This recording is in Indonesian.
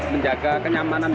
menjaga kenyamanan bersama aja pak